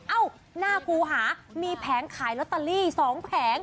หน้าครูหามีแผงขายลอตเตอรี่๒แผง